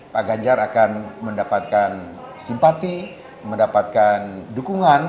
pak ganjar akan mendapatkan simpati mendapatkan dukungan